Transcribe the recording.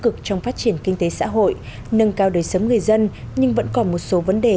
cực trong phát triển kinh tế xã hội nâng cao đời sống người dân nhưng vẫn còn một số vấn đề